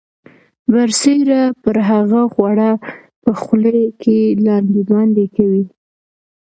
برسیره پر هغه خواړه په خولې کې لاندې باندې کوي.